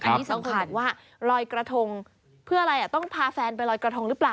อันนี้สำคัญว่าลอยกระทงเพื่ออะไรต้องพาแฟนไปลอยกระทงหรือเปล่า